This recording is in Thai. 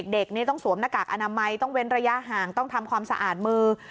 เด็กนี่ต้องสวมหน้ากากอนามัยต้องเว้นระยะห่างต้องทำความสะอาดมือ